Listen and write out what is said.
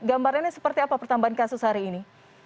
gambarnya seperti apa pertambahan kasus hari ini